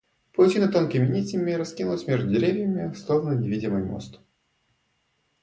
Паутина тонкими нитями раскинулась между деревьями, словно невидимый мост.